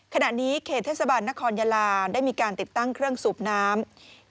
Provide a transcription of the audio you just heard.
ขณะนี้เขตเทศบาลนครยาลาได้มีการติดตั้งเครื่องสูบน้ำ